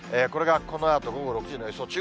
これがこのあと午後６時の予想。